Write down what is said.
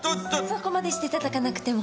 そこまでしていただかなくても。